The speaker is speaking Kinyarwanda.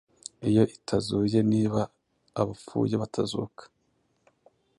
uwo itazuye niba abapfuye batazuka.